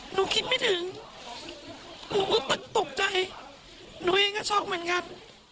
หนูคิดไม่ถึงหนูก็ตกใจหนูเองก็ช็อกเหมือนกัน